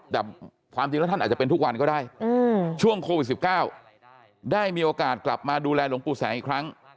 แต่ความจริงแล้วท่านอาจจะเป็นทุกวันก็ได้ช่วงโควิด๑๙ได้มีโอกาสกลับมาดูแลหลวงปู่แสงอีกครั้ง